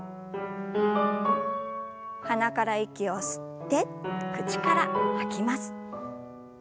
鼻から息を吸って口から吐きます。